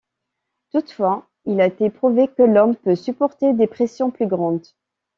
Toutefois, il a été prouvé que l'homme peut supporter des pressions plus grandes.